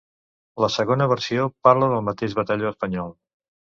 La Segona Versió parla del mateix batalló espanyol.